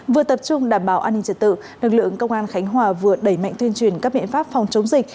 vừa tập trung đảm bảo an ninh trật tự lực lượng công an khánh hòa vừa đẩy mạnh tuyên truyền các biện pháp phòng chống dịch